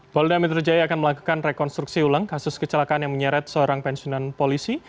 polda metro jaya akan melakukan rekonstruksi ulang kasus kecelakaan yang menyeret seorang pensiunan polisi